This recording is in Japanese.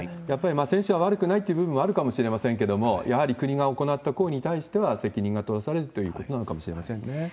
やっぱり選手は悪くないって部分もあるかもしれませんけれども、やっぱり国が行った抗議に対しては責任が取らされるということなのかもしれませんね。